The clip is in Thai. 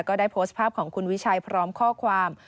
ก็ได้โพสต์ภาพของคุณวิชัยพร้อมข้อความ